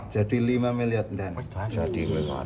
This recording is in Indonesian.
jadi lima miliar dan jadi miliar